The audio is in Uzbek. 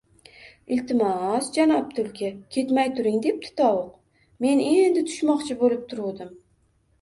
— Iltimos, janob Tulki, ketmay turing, — debdi Tovuq, — men endi tushmoqchi bo‘lib turuvdim